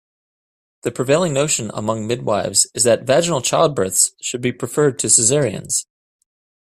The prevailing notion among midwifes is that vaginal childbirths should be preferred to cesareans.